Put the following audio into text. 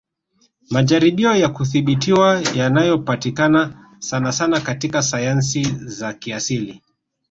Majaribio ya kudhibitiwa yanayopatikana sanasana katika sayansi za kiasili